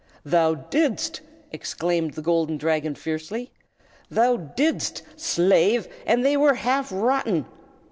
"Thou didst!" exclaimed the Golden Dragon, fiercely. "Thou didst, slave! and they were half rotten.